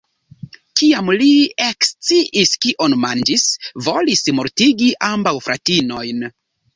Kiam li eksciis kion manĝis, volis mortigi ambaŭ fratinojn.